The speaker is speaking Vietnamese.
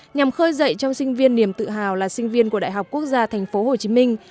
nhằm khơi dậy trong sinh viên niềm tự hào là sinh viên của đại học quốc gia thành phố hồ chí minh